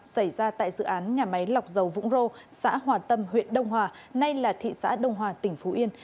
xảy ra tại dự án nhà máy lọc dầu vũng rô xã hòa tâm huyện đông hòa nay là thị xã đông hòa tỉnh phú yên